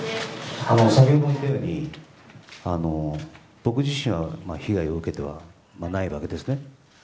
先ほども言ったように僕自身は被害を受けてはないわけですね。